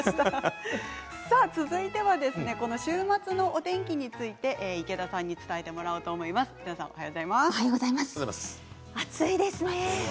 続いては週末のお天気について池田さんに伝えてもらおうと暑いですね。